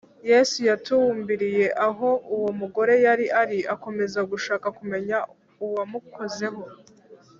yesu yatumbiriye aho uwo mugore yari ari, akomeza gushaka kumenya uwamukozeho